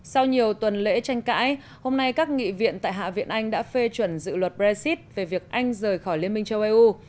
sau nhiều tuần lễ tranh cãi hôm nay các nghị viện tại hạ viện anh đã phê chuẩn dự luật brexit về việc anh rời khỏi liên minh châu âu